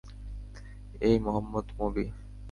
এই মোহাম্মদ মবি।